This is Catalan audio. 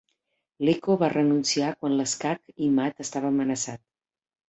Leko va renunciar quan l'escac i mat estava amenaçat.